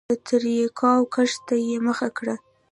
د تریاکو کښت ته یې مخه کړه.